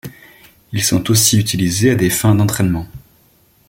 Ils sont aussi utilisés à des fins d'entraînement.